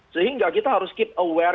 sehingga kita harus keep aware